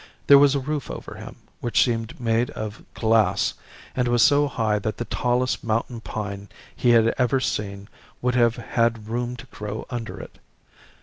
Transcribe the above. There was a roof over him, which seemed made of glass, and was so high that the tallest mountain pine he had ever seen would have had room to grow under it.